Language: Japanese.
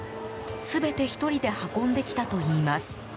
全て１人で運んできたといいます。